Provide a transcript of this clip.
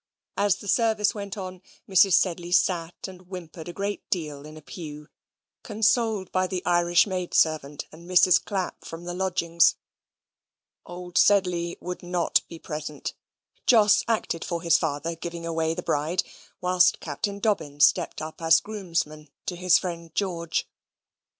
As the service went on, Mrs. Sedley sat and whimpered a great deal in a pew, consoled by the Irish maid servant and Mrs. Clapp from the lodgings. Old Sedley would not be present. Jos acted for his father, giving away the bride, whilst Captain Dobbin stepped up as groomsman to his friend George.